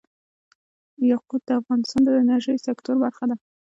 یاقوت د افغانستان د انرژۍ سکتور برخه ده.